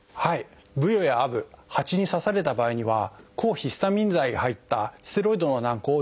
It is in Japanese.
ブヨやアブハチに刺された場合には抗ヒスタミン剤が入ったステロイドの軟こうを塗るとよいです。